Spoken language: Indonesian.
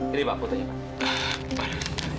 ini pak fotonya pak